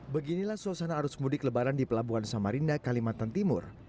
beginilah suasana arus mudik lebaran di pelabuhan samarinda kalimantan timur